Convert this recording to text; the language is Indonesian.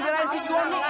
gak mau bangun